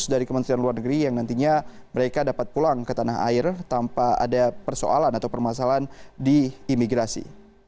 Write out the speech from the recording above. dari kementerian luar negeri yang nantinya mereka dapat pulang ke tanah air tanpa ada persoalan atau permasalahan di imigrasi